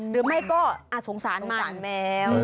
หรือไม่ก็อาจสงสารมันสงสารแมว